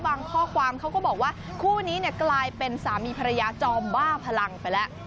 ข้อความเขาก็บอกว่าคู่นี้เนี่ยกลายเป็นสามีภรรยาจอมบ้าพลังไปแล้ว